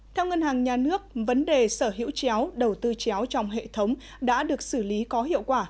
theo ngân hàng nhà nước vấn đề sở hữu chéo đầu tư chéo trong hệ thống đã được xử lý có hiệu quả